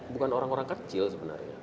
bukan orang orang kecil sebenarnya